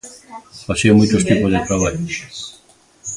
Facía moitos tipos de traballo.